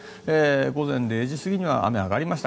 午前０時過ぎには雨、上がりました。